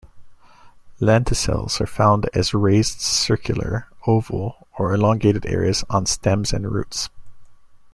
Lenticels are found as raised circular, oval, or elongated areas on stems and roots.